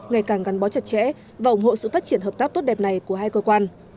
ngày càng gắn bó chặt chẽ và ủng hộ sự phát triển hợp tác tốt đẹp này của hai cơ quan